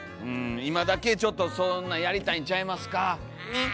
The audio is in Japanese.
今だけちょっとそんなんやりたいんちゃいますか。ね！